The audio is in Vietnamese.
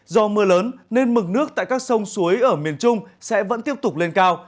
do mưa lớn nên mực nước tại các sông suối ở miền trung sẽ vẫn tiếp tục lên cao